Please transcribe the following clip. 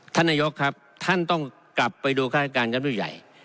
ท่านนายกครับท่านต้องกลับไปดูฆาตการยับลูกใหญ่